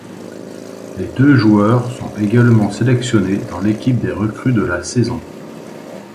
Les deux joueurs sont également sélectionnés dans l’équipe des recrues de la saison.